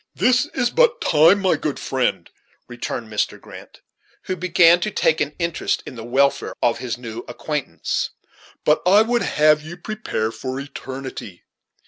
"This is but time, my good friend," returned Mr. Grant, who began to take an interest in the welfare of his new acquaintance, "but I would have you prepare for eternity.